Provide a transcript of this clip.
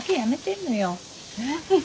ん？